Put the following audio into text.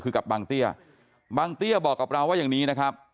คือกับบางเตี้ยบางเตี้ยบอกกับเราว่าอย่างนี้นะครับ